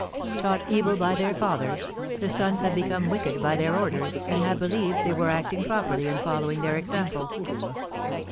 Taught evil by their fathers, the sons have become wicked by their orders, and have believed they were acting properly in following their example.